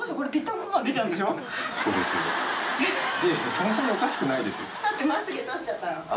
そんなにおかしくないですよああ